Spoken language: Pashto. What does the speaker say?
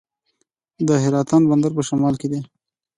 د حیرتان بندر په شمال کې دی